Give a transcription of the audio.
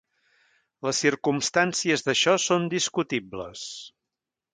Les circumstàncies d'això són discutibles.